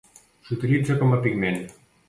S'utilitza com pigment.